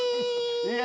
いや。